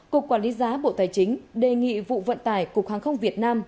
cục quản lý giá bộ tài chính đề nghị vụ vận tải cục hàng không việt nam